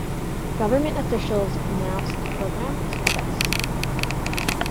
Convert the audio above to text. Government officials pronounced the program a success.